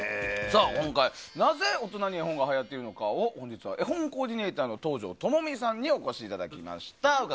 今回、なぜ大人に絵本がはやっているのか絵本コーディネーターの東條知美さんにお越しいただきました。